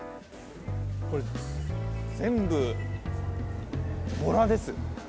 これ、全部ボラです。